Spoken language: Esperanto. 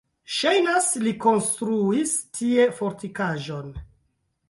Ŝajnas, li konstruis tie fortikaĵon.